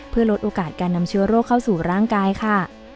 เพื่อลดโอกาสการนำเชื้อโรคเข้าสู่ร่างกายค่ะ